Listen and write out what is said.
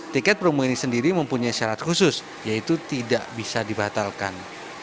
tiket promo ini sendiri mempunyai syarat khusus yaitu tidak bisa dibatalkan